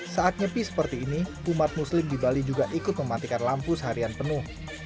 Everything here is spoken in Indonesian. saat nyepi seperti ini umat muslim di bali juga ikut mematikan lampu seharian penuh